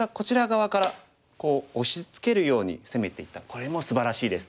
これもすばらしいです。